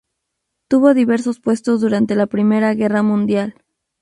Tuvo diversos puestos durante la Primera Guerra Mundial.